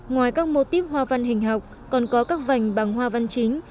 ngoài các mô típ hoa văn hình học còn có các vành bằng hoa văn chính